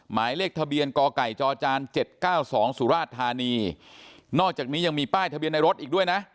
หมายเลขทะเบียนกไก่จจเจ็ดเก้าสองสุราชธานีนอกจากนี้ยังมีป้ายทะเบียนในรถอีกด้วยนะ